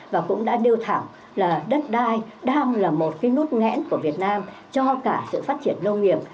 và cũng đã điêu thẳng là đất đai đang là một cái nút nghẽn của việt nam cho cả sự phát triển nông nghiệp